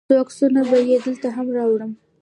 څو عکسونه به یې دلته هم راوړم.